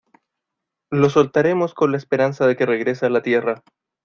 lo soltaremos con la esperanza de que regrese a la tierra